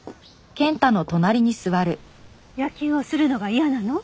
野球をするのが嫌なの？